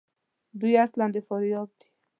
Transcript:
دوی اصلاُ د فاریاب دي.